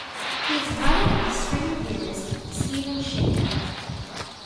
He is brother of string theorist Stephen Shenker.